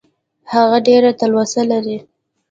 هغه ډېره تلوسه لري .